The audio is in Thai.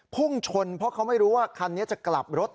พุ่งชนเพราะเขาไม่รู้ว่าคันนี้จะกลับรถ